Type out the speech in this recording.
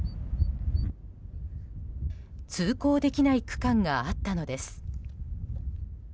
通行できない区間があったのです。